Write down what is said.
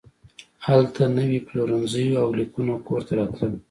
هلته نوي پلورنځي وو او لیکونه کور ته راتلل